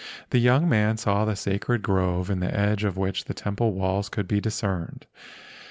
The young man saw the sacred grove in the edge of which the temple walls could be discerned.